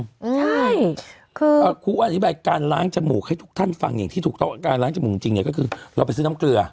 ใช่คือครูอธิบายการล้างจมูกให้ทุกท่านฟังอย่างที่ถูกต้องการล้างจมูกจริงเนี่ยก็คือเราไปซื้อน้ำเกลือ